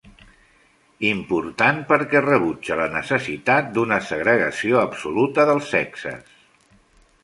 Important perquè rebutja la necessitat d'una segregació absoluta dels sexes.